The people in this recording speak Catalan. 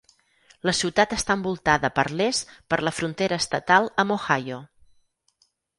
La ciutat està envoltada per l'est per la frontera estatal amb Ohio.